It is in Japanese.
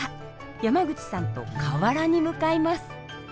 山口さんと河原に向かいます。